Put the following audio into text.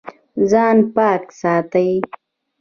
ځان پاک ساتئ